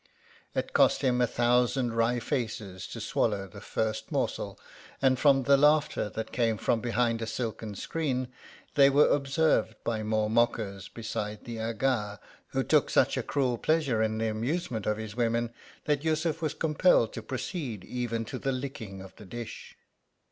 It cost him a thousand wry faces to swallow the first morsel ; and from the laughter that came from behind a silken screen, they were observed by more mockers besides the Aga, who took such a cruel pleasure in the amusement of his women, that Yussuf was compelled to proceed even to the licking of the dish.